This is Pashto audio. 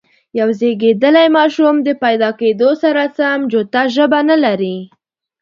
یو زېږيدلی ماشوم د پیدا کېدو سره سم یوه جوته ژبه نه لري.